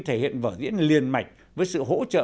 thể hiện vở diễn liền mạch với sự hỗ trợ